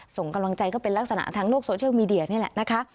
ส่งกำลังใจก็เป็นลักษณะทางโลกโซเชียลมีเดียนี่แหละนะคะ